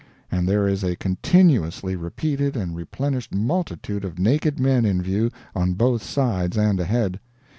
And there is a continuously repeated and replenished multitude of naked men in view on both sides and ahead.